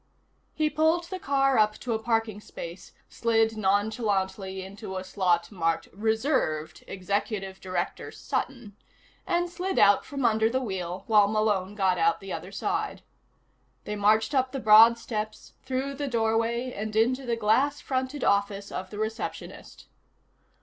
He pulled the car up to a parking space, slid nonchalantly into a slot marked Reserved Executive Director Sutton, and slid out from under the wheel while Malone got out the other side. They marched up the broad steps, through the doorway and into the glass fronted office of the receptionist.